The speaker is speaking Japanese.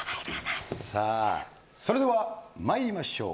それでは参りましょう。